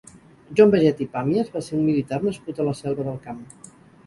Joan Baget i Pàmies va ser un militar nascut a la Selva del Camp.